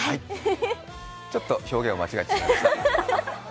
ちょっと表現を間違えてしまいました。